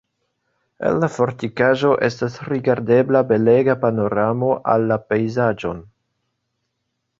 El la fortikaĵo estas rigardebla belega panoramo al la pejzaĝon.